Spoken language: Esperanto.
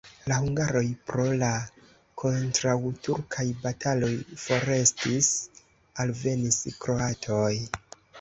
La hungaroj pro la kontraŭturkaj bataloj forestis, alvenis kroatoj.